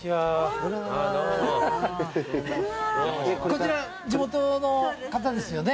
こちら地元の方ですよね？